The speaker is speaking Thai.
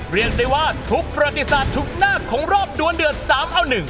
เรียกได้ว่าทุกประติศาสตร์ทุกหน้าของรอบดวนเดือด๓เอา๑